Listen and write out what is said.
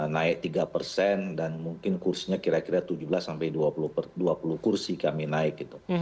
naik tiga persen dan mungkin kursinya kira kira tujuh belas sampai dua puluh kursi kami naik gitu